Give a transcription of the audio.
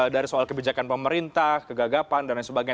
dari soal kebijakan pemerintah kegagapan dan lain sebagainya